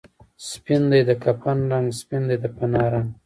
سپین دی د کفن رنګ، سپین دی د فنا رنګ